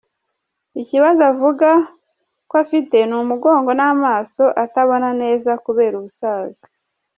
Ikibazo avuga ko afite ni umugongo n’amaso atabona neza kubera ubusaza.